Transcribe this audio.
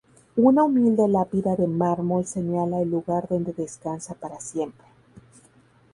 Una humilde lápida de mármol señala el lugar donde descansa para siempre.